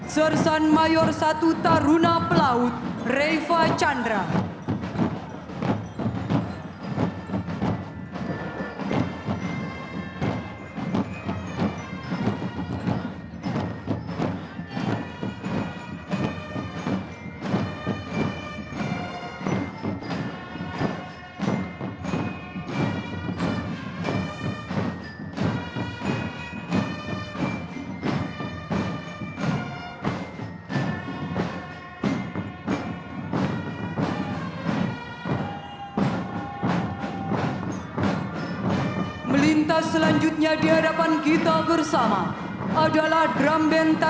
sersan mayor dua taruna academy angkatan laut dengan penata roma satu